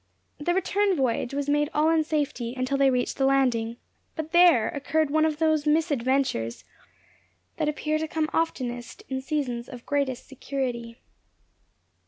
The return voyage was made in all safety until they reached the landing; but there occurred one of those misadventures that appear to come oftenest in seasons of greatest security.